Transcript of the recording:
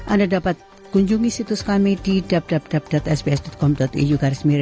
anda dapat kunjungi situs kami di www sps com au